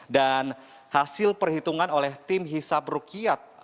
dan hasil perhitungan oleh tim hisab rukiat